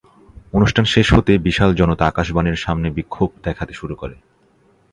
অনুষ্ঠান শেষ হতেই বিশাল জনতা আকাশবাণীর সামনে বিক্ষোভ দেখাতে শুরু করে।